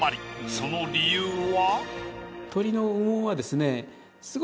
その理由は？